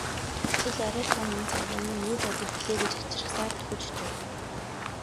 Гэтэл арай том энэ цагаан нь юу байдаг билээ дээ гэж хачирхсаар дөхөж очив.